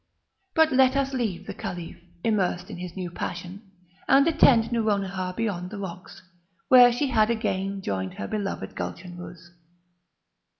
But let us leave the Caliph, immersed in his new passion, and attend Nouronihar beyond the rocks, where she had again joined her beloved Gulchenrouz.